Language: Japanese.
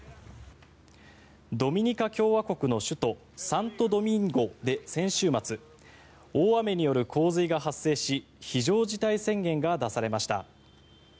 ドミニカ共和国の首都サントドミンゴで先週末、大雨による洪水が発生し非常事態宣言が出されました。